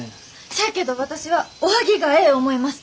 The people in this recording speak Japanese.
しゃあけど私はおはぎがええ思います！